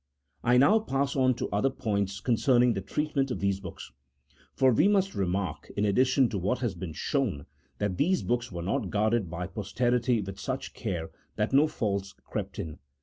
I now pass on to other points concerning the treatment of these books. For we must remark, in addition to what has been shown, that these books were not guarded by pos terity with such care that no faults crept in.